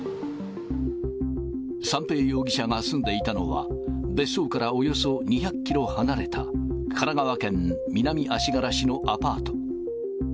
三瓶容疑者が住んでいたのは、別荘からおよそ２００キロ離れた神奈川県南足柄市のアパート。